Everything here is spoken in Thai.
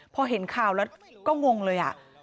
พอเห็นข่าวแล้วก็งงเลย